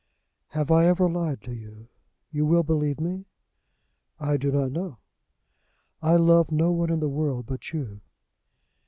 "Have I ever lied to you? You will believe me?" "I do not know." "I love no one in the world but you."